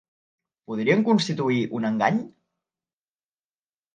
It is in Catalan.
Podrien constituir un engany?